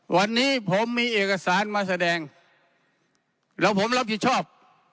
วันนี้ผมมีเอกสารมาแสดงแล้วผมรับผิดชอบ